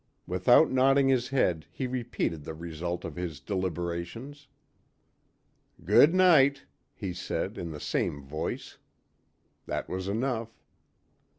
Without nodding his head he repeated the result of his deliberations. "Good night," he said in the same voice. That was enough.